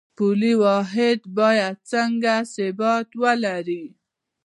پولي واحد باید څنګه ثبات ولري؟